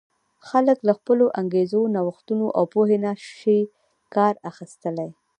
خلک له خپلو انګېزو، نوښتونو او پوهې نه شي کار اخیستلای.